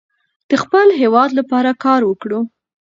د خپل هیواد لپاره کار وکړو.